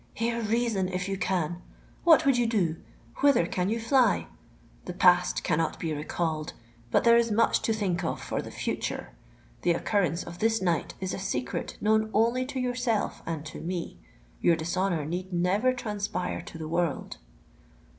"Hear reason, if you can! What would you do? Whither can you fly? The past cannot be recalled; but there is much to think of for the future. The occurrence of this night is a secret known only to yourself and to me: your dishonour need never transpire to the world?"